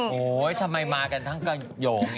โห้ยทำไมมากันทั้งกระโยงเนี่ย